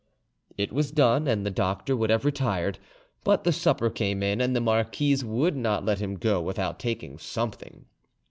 It was done, and the doctor would have retired; but the supper came in, and the marquise would not let him go without taking something.